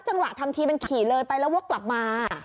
จังหวะทำทีเป็นขี่เลยไปแล้ววกกลับมา